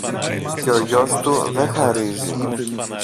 και ο γιος του δε χαρίζει.